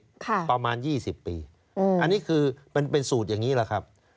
ประมาณยี่สิบปีอืมอันนี้คือมันเป็นสูตรอย่างนี้แหละครับ